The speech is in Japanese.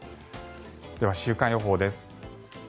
では、週間予報です。